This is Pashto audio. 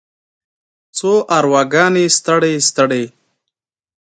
څو ارواګانې ستړې، ستړې